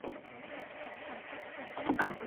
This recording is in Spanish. Es producida por Walt Disney Television Animation.